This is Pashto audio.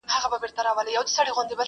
مُلا ډوب سو په سبا یې جنازه سوه؛